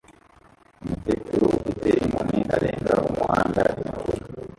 Umukecuru ufite inkoni arenga umuhanda imvura